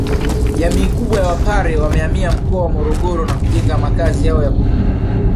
Jamii kubwa ya wapare wamehamia mkoa wa Morogoro na kujenga makazi yao yakudumu